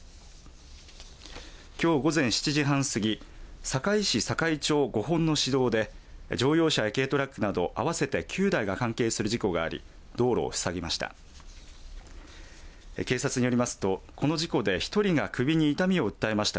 きょう午前７時半過ぎ坂井市坂井町五本の市道で乗用車や軽トラックなど合わせて９台が関係する事故があり道路を塞ぎました。